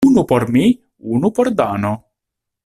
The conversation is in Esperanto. Unu por mi, unu por Dano.